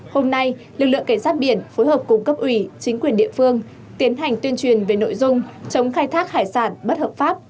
hôm nay lực lượng cảnh sát biển phối hợp cùng cấp ủy chính quyền địa phương tiến hành tuyên truyền về nội dung chống khai thác hải sản bất hợp pháp